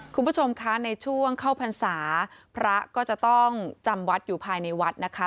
คุณผู้ชมคะในช่วงเข้าพรรษาพระก็จะต้องจำวัดอยู่ภายในวัดนะคะ